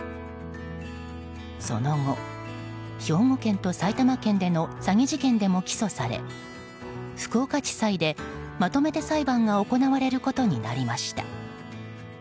その後、兵庫県と埼玉県での詐欺事件でも起訴され福岡地裁でまとめて裁判が行われることになりました。